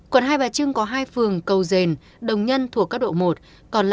quận hai bà trưng có hai phường cầu dền đồng nhân thuộc các độ một